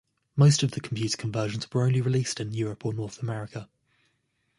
Most of the computer conversions were only released in Europe or North America.